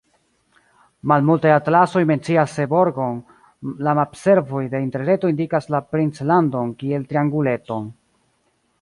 Malmultaj atlasoj mencias Seborgon; la mapservoj de Interreto indikas la princlandon kiel trianguleton.